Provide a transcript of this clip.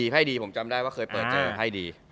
ไพ่ดีผมจำได้ว่าเคยเปิดเจอ